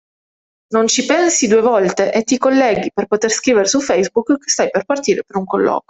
Non ci pensi due volte e ti colleghi per poter scrivere su Facebook che stai per partire per un colloquio!